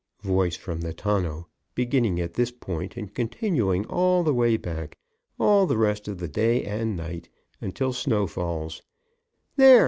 '" (Voice from the tonneau, beginning at this point and continuing all of the way back, all the rest of the day and night, and until snow falls): "_There!